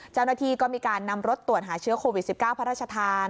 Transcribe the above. เจ้าหน้าที่ก็มีการนำรถตรวจหาเชื้อโควิด๑๙พระราชทาน